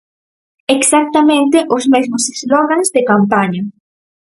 Exactamente os mesmos slogans de campaña.